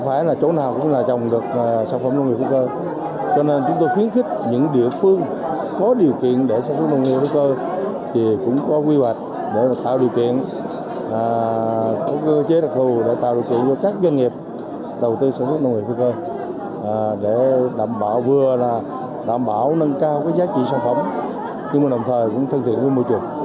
bảo nâng cao cái giá trị sản phẩm nhưng mà đồng thời cũng thân thiện với môi trường